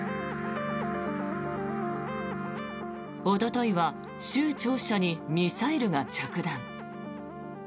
おとといは州庁舎にミサイルが着弾。